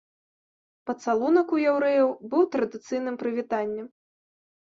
Пацалунак у яўрэяў быў традыцыйным прывітаннем.